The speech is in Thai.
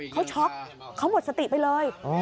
เขาช็อกเขาหมดสติไปเลย